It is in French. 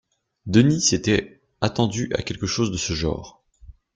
Denis s’était attendu à quelque chose de ce genre.